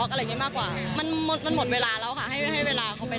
ก็คงไม่แล้วอะค่ะ